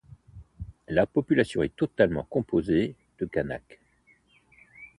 La population est totalement composée de Kanak.